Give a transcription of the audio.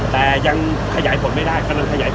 แต่ยังขยายผลไม่ได้ขยายผลอยู่